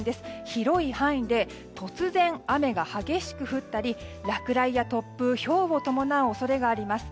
広い範囲で突然雨が激しく降ったり落雷や突風、ひょうを伴う恐れがあります。